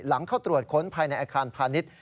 เข้าตรวจค้นภายในอาคารพาณิชย์